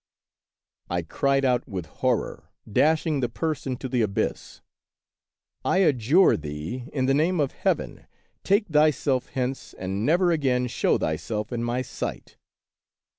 I cried out with horror, dashing the purse into the abyss, " I adjure thee, in the name of Heaven, take thyself hence, and never again show thyself in my sight